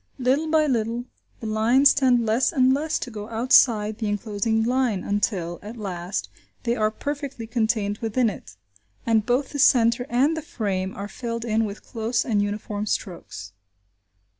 Little by little, the lines tend less and less to go outside the enclosing line until, at last, they are perfectly contained within it, and both the centre and the frame are filled in with close and uniform strokes.